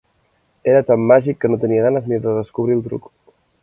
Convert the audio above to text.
Era tan màgic que no tenia ganes ni de descobrir el truc.